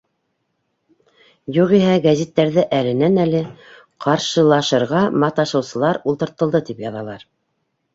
—Юғиһә, гәзиттәрҙә әленән-әле: «Ҡаршылашырға маташыусылар ултыртылды...» тип яҙалар.